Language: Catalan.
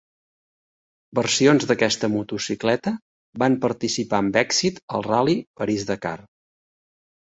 Versions d'aquesta motocicleta van participar amb èxit al Ral·li París Dakar.